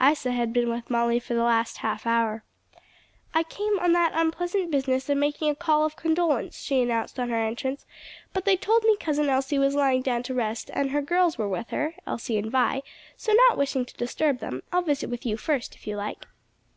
Isa had been with Molly for the last half hour. "I came on that unpleasant business of making a call of condolence," she announced on her entrance, "but they told me Cousin Elsie was lying down to rest and her girls were with her Elsie and Vi so not wishing to disturb them, I'll visit with you first, if you like."